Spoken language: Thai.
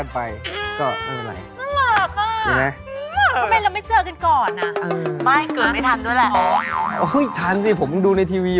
พาไปด้วย